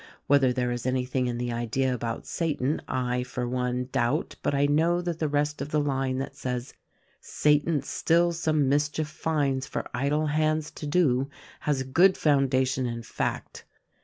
Whether there is anything in the idea about Satan, I, for one, doubt; but I know that the rest of the line that says, 'Satan still some mischief finds for idle hands to do,' has a good foundation in fact.